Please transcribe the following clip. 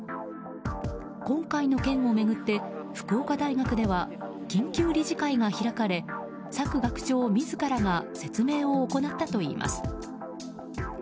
今回の件を巡って福岡大学では緊急理事会が開かれ朔学長自らが説明を行ったといいます。